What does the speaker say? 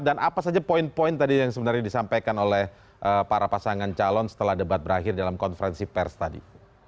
dan apa saja poin poin tadi yang sebenarnya disampaikan oleh para pasangan calon setelah debat berakhir dalam konferensi pers tadi